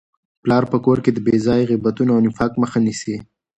پلار په کور کي د بې ځایه غیبتونو او نفاق مخه نیسي.